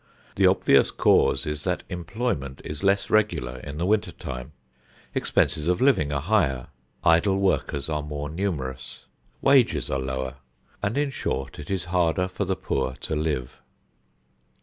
The obvious cause is that employment is less regular in the winter time, expenses of living are higher, idle workers are more numerous, wages are lower, and, in short, it is harder for the poor to live.